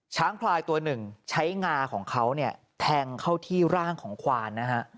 พลายตัวหนึ่งใช้งาของเขาเนี่ยแทงเข้าที่ร่างของควานนะฮะ